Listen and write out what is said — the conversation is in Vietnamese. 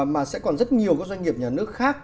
mà sẽ còn rất nhiều các doanh nghiệp nhà nước khác